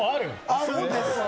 あるんですよ。